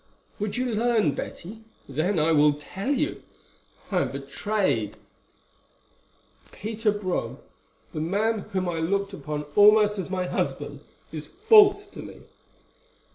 "Would you learn, Betty? Then I will tell you. I am betrayed. Peter Brome, the man whom I looked upon almost as my husband, is false to me."